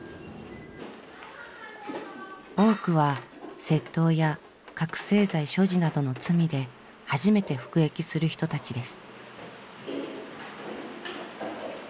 多くは窃盗や覚醒剤所持などの罪で初めて服役する人たちです。